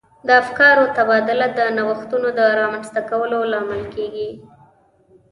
د افکارو تبادله د نوښتونو د رامنځته کولو لامل کیږي.